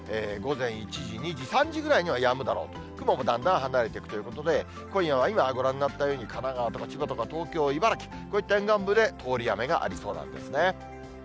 午前１時、２時、３時ぐらいにはやむだろう、雲もだんだん離れていくということで、今夜は今、ご覧になったように、神奈川とか千葉とか、東京、茨城、こういった沿岸部で通り雨がありそうなんですね。